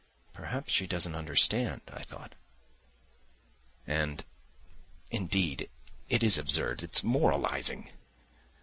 "Perhaps she doesn't understand," I thought, "and, indeed, it is absurd—it's moralising."